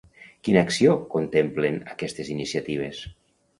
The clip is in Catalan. Quina acció contemplen aquestes iniciatives?